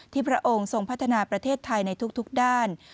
พระองค์ทรงพัฒนาประเทศไทยในทุกด้าน